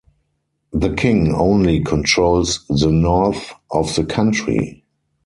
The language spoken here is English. The king only controls the north of the country.